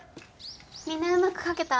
みんなうまく描けた？